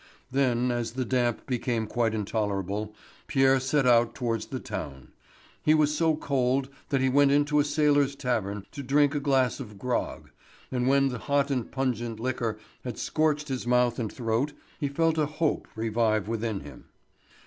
Then, as the damp became quite intolerable, Pierre set out towards the town. He was so cold that he went into a sailors' tavern to drink a glass of grog, and when the hot and pungent liquor had scorched his mouth and throat he felt a hope revive within him.